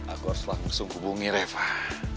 aku harus langsung hubungi reva